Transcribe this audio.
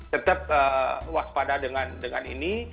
tetap waspada dengan ini